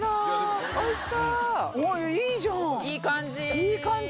いい感じ！